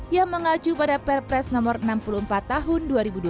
yang mengacu pada perpres nomor enam puluh empat tahun dua ribu dua puluh